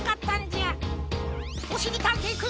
おしりたんていくん。